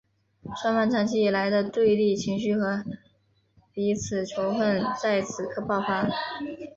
双方长期以来的对立情绪和彼此仇恨在此刻爆发。